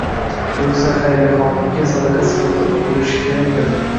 Yo'qsa, Xayriyaxonimga sadaqa sifatida o'qilishi kerakmidi?